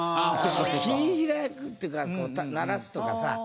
切り開くっていうかならすとかさ。